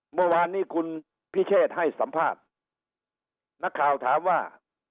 เมื่อวานนี้คุณพิเชษให้สัมภาษณ์นักข่าวถามว่า